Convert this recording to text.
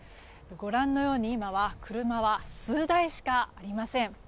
ご覧のように今は車は数台しかありません。